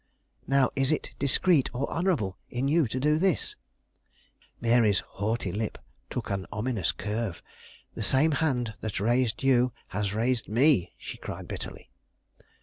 "Now is it discreet or honorable in you to do this?" Mary's haughty lip took an ominous curve. "The same hand that raised you has raised me," she cried bitterly.